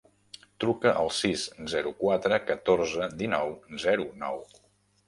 Truca al sis, zero, quatre, catorze, dinou, zero, nou.